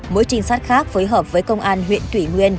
mỗi trinh sát khác phối hợp với công an huyện thủy nguyên